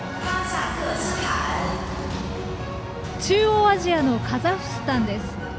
中央アジアのカザフスタンです。